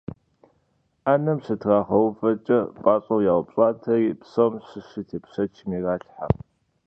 Ӏэнэм щытрагъэувэкӀэ пӀащӀэу яупщӀатэри, псом щыщи тепщэчым иралъхьэ.